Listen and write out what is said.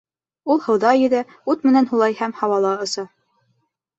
Ул һыуҙа йөҙә, ут менән һулай һәм һауала оса.